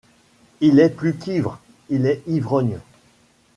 Il est plus qu’ivre, il est ivrogne.